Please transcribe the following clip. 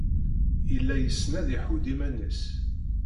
Yella yessen ad iḥudd iman-nnes.